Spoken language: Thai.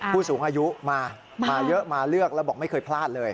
ผู้สูงอายุมามาเยอะมาเลือกแล้วบอกไม่เคยพลาดเลย